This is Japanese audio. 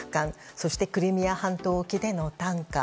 そしてクリミア半島沖でのタンカー。